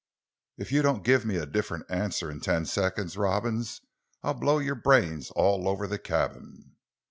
"If you don't give me a different answer in ten seconds, Robins, I'll blow your brains all over the cabin!"